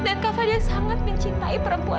dan kak fadil sangat mencintai perempuan itu